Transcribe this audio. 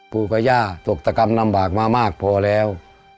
ปู่กับย่าตกตะกรรมลำบากมามากพอแล้ว